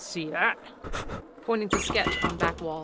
See that? [_Pointing to sketch on back wall.